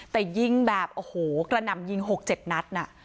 แต่ยิงแบบโอ้โหกระหน่ำยิง๖๗นัดน่ะ